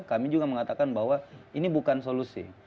kami juga mengatakan bahwa ini bukan solusi